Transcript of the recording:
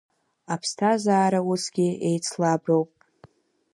Аԥсҭазаара усгьы еицлаброуп.